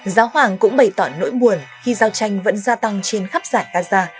giáo hoàng cũng bày tỏ nỗi buồn khi giao tranh vẫn gia tăng trên khắp giải gaza